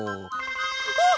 あっ！